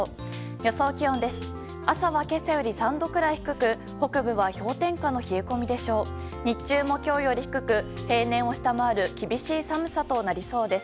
予想気温です。